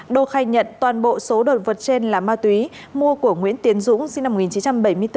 đô khai nhận toàn bộ số đồ vật trên là ma túy mua của nguyễn tiến dũng sinh năm một nghìn chín trăm bảy mươi bốn